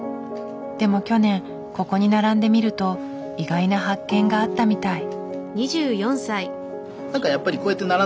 でも去年ここに並んでみると意外な発見があったみたい。